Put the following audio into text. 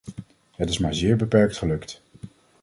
Het is maar zeer beperkt gelukt.